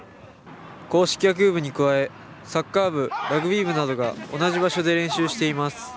硬式野球部に加え、サッカー部ラグビー部などが同じ場所で練習しています。